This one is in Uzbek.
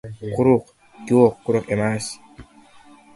— Quruq? Yo‘q, quruq emas.